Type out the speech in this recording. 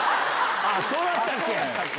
ああ、そうだったっけ？